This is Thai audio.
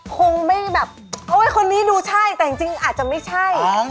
คงไม่แบบโอ้ยคนนี้ดูใช่แต่จริงอาจจะไม่ใช่